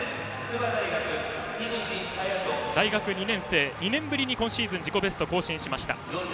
樋口隼人、大学２年生２年ぶりに今シーズン自己ベストを更新しました。